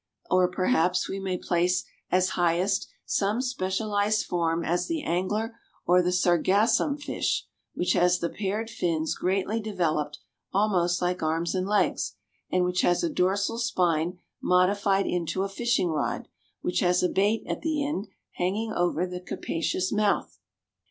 Or perhaps we may place as highest some specialized form as the angler or the sargassum fish, which has the paired fins greatly developed almost like arms and legs, and which has a dorsal spine modified into a fishing rod, which has a bait at the end, hanging over the capacious mouth.